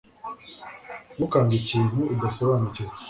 Ntukange ikintu udasobanukiwe